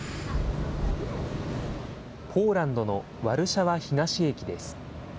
ポーランドのワルシャワ東駅です。